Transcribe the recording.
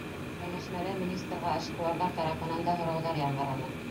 Кәңәшмәлә министрға эшҡыуарҙар тарафынан да һорауҙар яңғыраны.